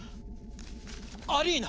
アリーナ！